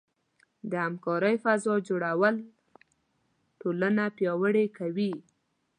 د همکارۍ فضاء جوړول ټولنه پیاوړې کوي.